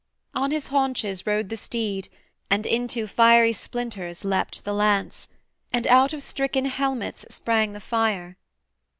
On his haunches rose the steed, And into fiery splinters leapt the lance, And out of stricken helmets sprang the fire.